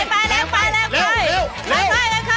เย้แรงไปเร็ว